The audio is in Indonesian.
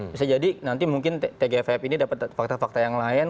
bisa jadi nanti mungkin tgff ini dapat fakta fakta yang lain